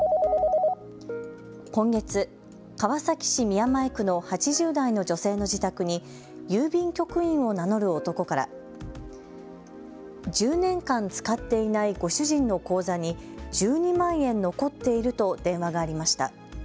今月、川崎市宮前区の８０代の女性の自宅に郵便局員を名乗る男から１０年間使っていないご主人の口座に１２万円残っていると電話がありました。